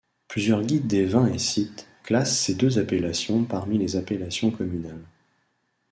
Plusieurs guides des vins et sites classent ces deux appellations parmi les appellations communales.